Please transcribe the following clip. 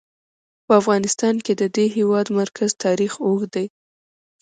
په افغانستان کې د د هېواد مرکز تاریخ اوږد دی.